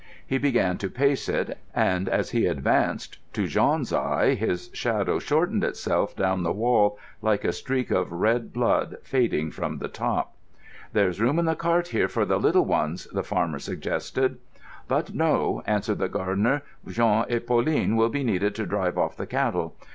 He began to pace it, and as he advanced, to Jean's eye his shadow shortened itself down the wall like a streak of red blood fading from the top. "There's room in the cart here for the little ones," the farmer suggested. "But no," answered the gardener; "Jean and Pauline will be needed to drive off the cattle.